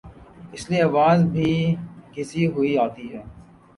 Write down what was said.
اس لئے آواز بھی گھسی ہوئی آتی ہے۔